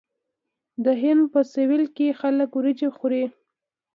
د هند په سویل کې خلک وریجې خوري.